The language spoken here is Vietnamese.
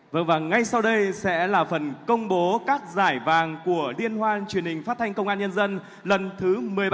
vâng và ngay sau đây sẽ là phần công bố các giải vàng của liên hoan truyền hình phát thanh công an nhân dân lần thứ một mươi bảy